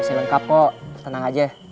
masih lengkap kok tenang aja